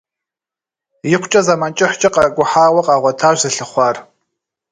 Икъукӏэ зэмэн кӏыхькӏэ къакӏухьауэ къагъуэтащ зылъыхъуар.